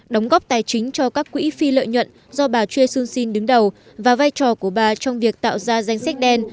đóng góp tài chính cho các quỹ phi lợi nhuận do bà choi soon sin đứng đầu và vai trò của bà trong việc tạo ra danh sách đen